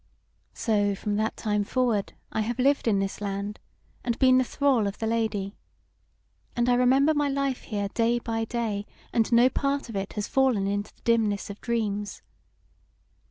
"So from that time forward I have lived in this land, and been the thrall of the Lady; and I remember my life here day by day, and no part of it has fallen into the dimness of dreams.